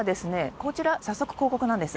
こちら早速広告なんです